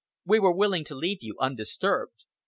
We were willing to leave you undisturbed.